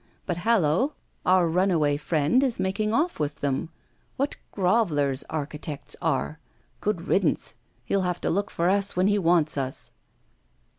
But hallo! our runaway friend is making off with them. What grovellers architects are! Good riddance. He'll have to look for us when he wants us!